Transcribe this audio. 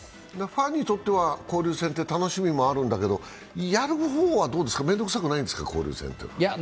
ファンにとっては交流戦っていう楽しみもあるんだけれども、やる方は、どうですか、面倒くさくないんですか、交流戦は？